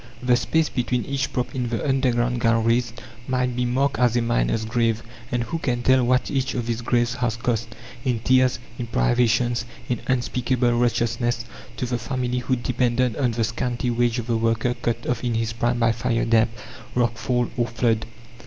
The space between each prop in the underground galleries might be marked as a miner's grave; and who can tell what each of these graves has cost, in tears, in privations, in unspeakable wretchedness to the family who depended on the scanty wage of the worker cut off in his prime by fire damp, rock fall, or flood?